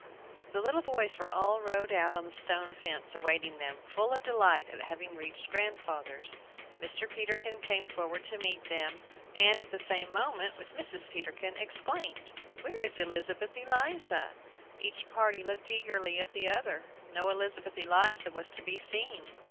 The little boys were all rowed out on the stone fence, awaiting them, full of delight at having reached grandfather's. Mr. Peterkin came forward to meet them, and, at the same moment with Mrs. Peterkin, exclaimed: "Where is Elizabeth Eliza?" Each party looked eagerly at the other; no Elizabeth Eliza was to be seen.